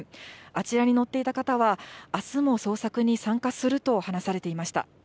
あちらに乗っていた方は、あすも捜索に参加すると話されていました。